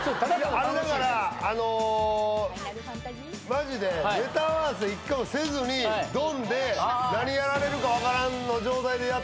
マジでネタ合わせ一回もせずにドンで何やられるか分からん状態でやったら。